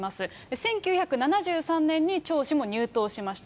１９７３年に張氏も入党しました。